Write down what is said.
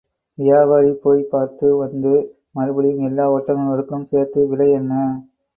வியாபாரி போய்ப் பார்த்து வந்து, மறுபடியும் எல்லா ஒட்டகங்களுக்கும் சேர்த்து விலை என்ன?